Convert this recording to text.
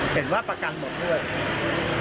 เห็นว่าประกันหมดหรือเปล่า